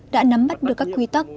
đã nắm mắt được các quy tắc